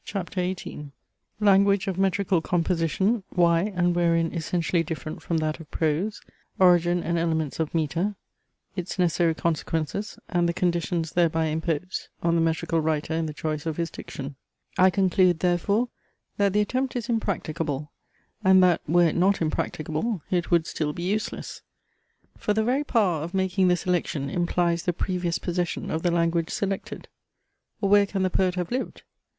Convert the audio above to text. CHAPTER XVIII Language of metrical composition, why and wherein essentially different from that of prose Origin and elements of metre Its necessary consequences, and the conditions thereby imposed on the metrical writer in the choice of his diction. I conclude, therefore, that the attempt is impracticable; and that, were it not impracticable, it would still be useless. For the very power of making the selection implies the previous possession of the language selected. Or where can the poet have lived?